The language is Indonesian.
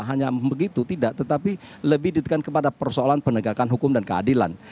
hanya begitu tidak tetapi lebih ditekan kepada persoalan penegakan hukum dan keadilan